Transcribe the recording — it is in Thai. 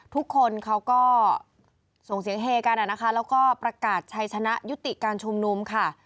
ทุกคนเขาก็ส่งเสียงเฮกันนะคะแล้วก็ประกาศชัยชนะยุติการชุมนุมค่ะ